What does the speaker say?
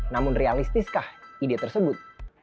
namun realistiskah ide tersebut